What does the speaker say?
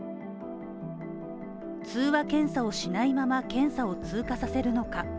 通話検査をしないまま検査を通過させるのか。